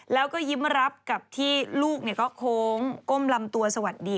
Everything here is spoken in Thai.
แล้วก็ยิ้มรับกับที่ลูกก็โค้งก้มลำตัวสวัสดี